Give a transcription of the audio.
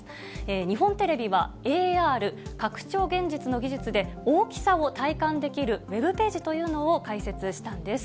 日本テレビはＡＲ・拡張現実の技術で、大きさを体感できるウェブページというのを開設したんです。